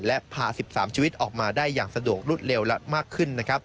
และพา๑๓ชีวิตออกมาได้อย่างสะดวกรวดเร็วและมากขึ้นนะครับ